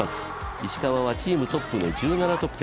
石川はチームトップの１７得点。